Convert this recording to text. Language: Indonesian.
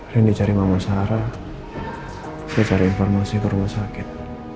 randy cari mama sarah saya cari informasi ke rumah sakit